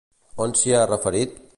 On s'hi ha referit?